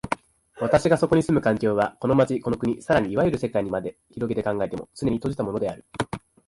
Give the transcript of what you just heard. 私がそこに住む環境は、この町、この国、更にいわゆる世界にまで拡げて考えても、つねに閉じたものである。